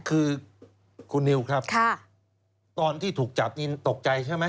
คือคุณนิวครับตอนที่ถูกจับนี่ตกใจใช่ไหม